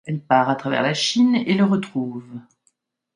Elle part à travers la Chine et le retrouve.